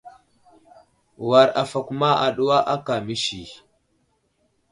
War afakuma aɗuwa aka məsi.